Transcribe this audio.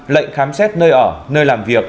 lệnh khám xét nơi ở nơi làm việc